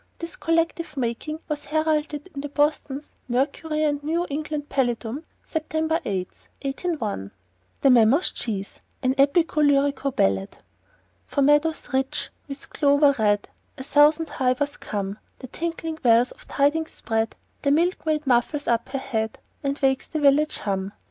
Its collective making was heralded in Boston's Mercury and New England Palladium, September 8, 1801: The Mammoth Cheese AN EPICO LYRICO BALLAD From meadows rich, with clover red, A thousand heifers come; The tinkling bells the tidings spread, The milkmaid muffles up her head, And wakes the village hum.